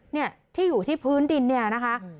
เนี่ยที่อยู่ที่พื้นดินเนี่ยนะคะ